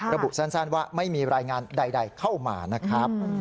ระบุสั้นว่าไม่มีรายงานใดเข้ามานะครับ